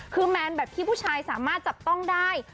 คือแมนแบบที่ผู้ชายสามารถจับต้องได้